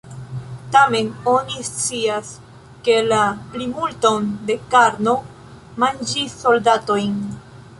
Tamen, oni scias, ke la plimulton de karno manĝis soldatoj.